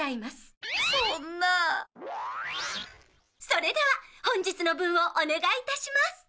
それでは本日の分をお願いいたします。